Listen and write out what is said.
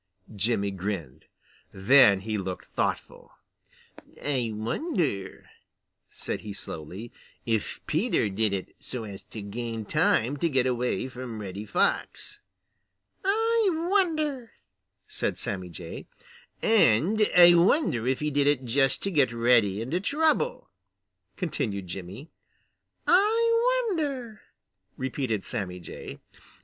Jimmy grinned. Then he looked thoughtful. "I wonder," said he slowly, "if Peter did it so as to gain time to get away from Reddy Fox." "I wonder," said Sammy Jay. "And I wonder if he did it just to get Reddy into trouble," continued Jimmy. "I wonder," repeated Sammy Jay.